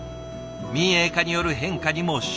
民営化による変化にも粛々と。